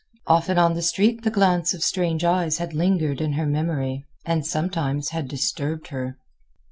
Often on the street the glance of strange eyes had lingered in her memory, and sometimes had disturbed her.